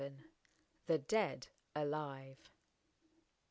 THE DEAD ALIVE.